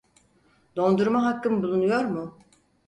Dondurma hakkım bulunuyor mu?